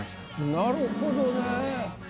なるほどね。